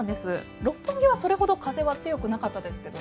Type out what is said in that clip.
六本木はそれほど風は強くなかったですけどね。